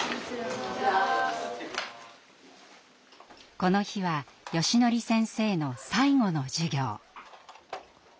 この日はよしのり先生の最後の授業。